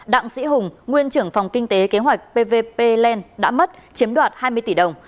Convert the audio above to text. đặng sĩ hùng nguyên trưởng phòng kinh tế kế hoạch pvp pland đã mất chiếm đoạt hai mươi tỷ đồng